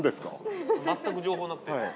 全く情報なくて。